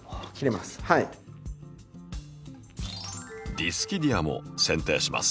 ディスキディアもせん定します。